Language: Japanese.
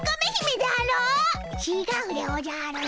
ちがうでおじゃる！